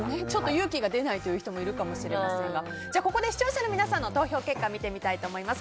勇気が出ないという人もいるかもしれませんがここで視聴者の皆さんの投票結果を見てみたいと思います。